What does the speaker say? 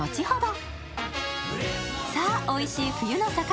さあ、おいしい冬の魚。